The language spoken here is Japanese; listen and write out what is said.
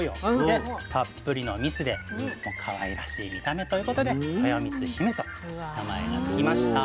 でたっぷりの「蜜」でかわいらしい見た目ということで「とよみつひめ」と名前が付きました。